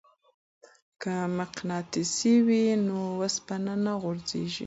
که مقناطیس وي نو وسپنه نه غورځیږي.